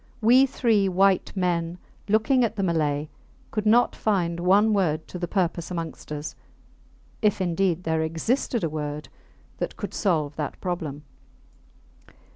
We three white men, looking at the Malay, could not find one word to the purpose amongst us if indeed there existed a word that could solve that problem.